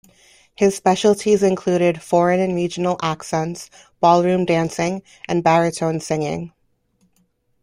His specialties included foreign and regional accents, ballroom dancing and baritone singing.